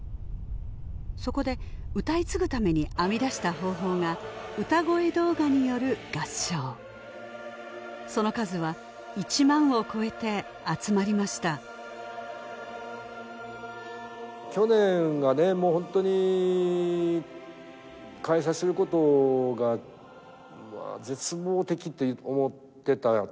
そこで歌い継ぐために編み出した方法が歌声動画による合唱その数は１万を超えて集まりました去年がねもうほんとに開催することが絶望的と思ってた